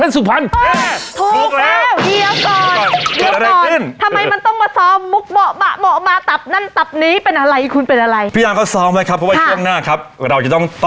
สวัสดีครับจะพบแล้วนะฮะคณะเสร็จถี่ชวนยิ้มคาเฟ่โชว์